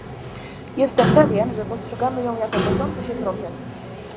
Jestem pewien, że postrzegamy ją jako toczący się proces